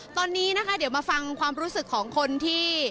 ตอนนี้นะคะเดี๋ยวมาฟังความรู้สึกของคนที่